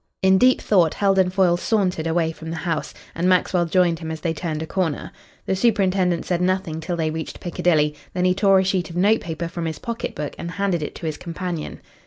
In deep thought Heldon Foyle sauntered away from the house, and Maxwell joined him as they turned a corner. The superintendent said nothing till they reached Piccadilly. Then he tore a sheet of note paper from his pocket book and handed it to his companion.